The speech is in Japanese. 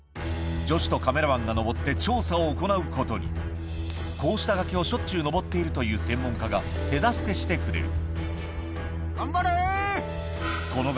ジョシュとカメラマンが登って調査を行うことにこうした崖をしょっちゅう登っているという専門家が手助けしてくれる頑張れ。